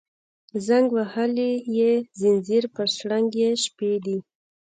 زنګ وهلي یې ځینځیر پر شرنګ یې شپې دي